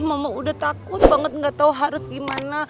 mama udah takut banget gak tau harus gimana